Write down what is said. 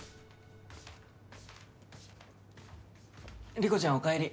莉子ちゃんおかえり。